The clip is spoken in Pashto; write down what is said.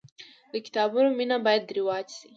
د کتابونو مینه باید رواج سي.